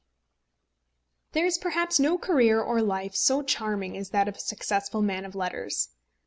There is perhaps no career of life so charming as that of a successful man of letters.